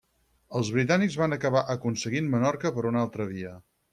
Els britànics van acabar aconseguint Menorca per una altra via.